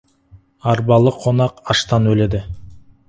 Арбалы қонақ аштан өледі.